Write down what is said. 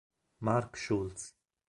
Mark Schultz